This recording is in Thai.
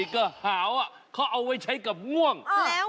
อ๋อก่อนที่จะส่ง